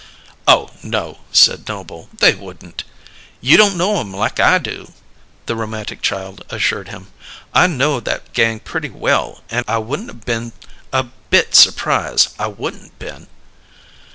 "Oh, no!" said Noble. "They wouldn't " "You don't know 'em like I do," the romantic child assured him. "I know that gang pretty well, and I wouldn't been a bit surprised. I wouldn't been!"